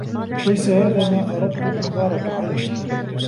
ليس هذا ما أردت إخبارك عنه.